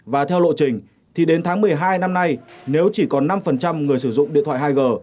và theo lộ trình thì đến tháng một mươi hai năm nay nếu chỉ còn năm người sử dụng điện thoại hai g